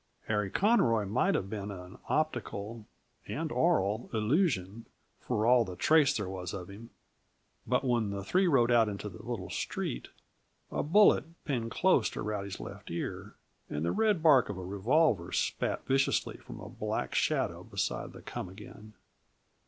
Harry Conroy might have been an optical and aural illusion, for all the trace there was of him. But when the three rode out into the little street, a bullet pinged close to Rowdy's left ear, and the red bark of a revolver spat viciously from a black shadow beside the Come Again.